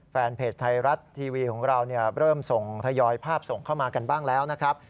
แฟนเพจไทยรัฐทีวีของเราเริ่มส่งทยอยภาพส่งเข้ามากันบ้างแล้วนะครับ